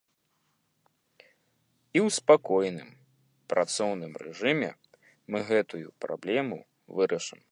І ў спакойным, працоўным рэжыме мы гэтую праблему вырашым.